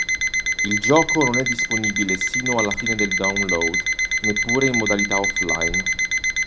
Il gioco non è disponibile sino alla fine del download, neppure in modalità offline.